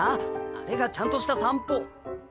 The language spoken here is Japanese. あれがちゃんとした散歩。